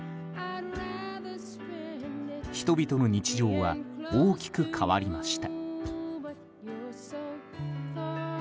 人々の日常は大きく変わりました。